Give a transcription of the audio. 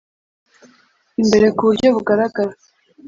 imbere ku buryo bugaragara.